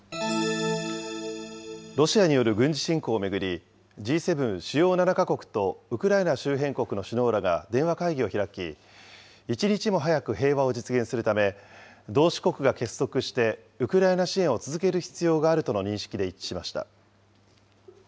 ロシアによる軍事侵攻を巡り、Ｇ７・主要７か国とウクライナ周辺国の首脳らが電話会議を開き、一日も早く平和を実現するため、同志国が結束してウクライナ支援を続ける必要があるとの認識で一致しました。